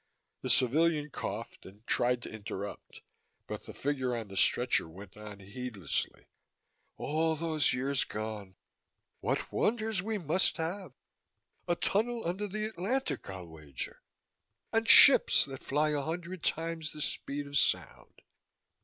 The civilian coughed and tried to interrupt, but the figure on the stretcher went on heedlessly: "All those years gone what wonders must we have. A tunnel under the Atlantic, I'll wager! And ships that fly a hundred times the speed of sound.